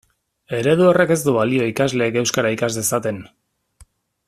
Eredu horrek ez du balio ikasleek euskara ikas dezaten.